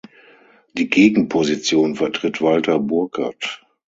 Die Gegenposition vertritt Walter Burkert.